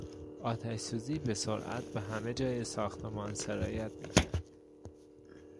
آتشسوزی به سرعت به همه جای ساختمان سرایت میکرد.